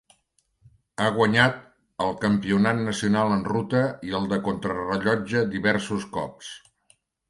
Ha guanyat el campionat nacional en ruta i el de contrarellotge diversos cops.